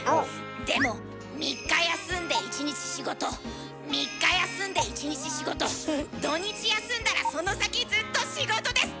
でも３日休んで１日仕事３日休んで１日仕事土日休んだらその先ずっと仕事です！